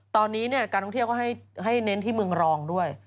ตอนนี้การท่องเที่ยวก็ให้เน้นที่เมืองรองด้วย